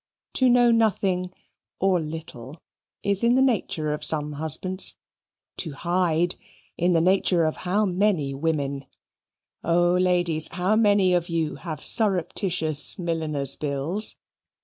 To know nothing, or little, is in the nature of some husbands. To hide, in the nature of how many women? Oh, ladies! how many of you have surreptitious milliners' bills?